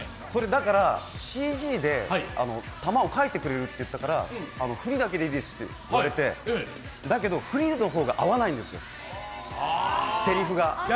だからＣＧで球を描いてくれるっていったからフリだけでいいですというからだけどフリの方が合わないんです、セリフが。